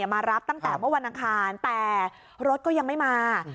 มารับตั้งแต่เมื่อวันอังคารแต่รถก็ยังไม่มา